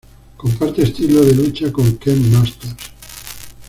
Comparte estilo de lucha con Ken Masters.